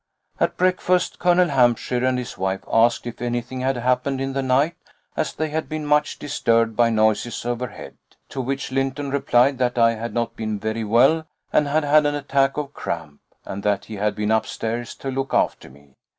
At breakfast Colonel Hampshire and his wife asked if anything had happened in the night, as they had been much disturbed by noises overhead, to which Lynton replied that I had not been very well, and had an attack of cramp, and that he had been upstairs to look after me.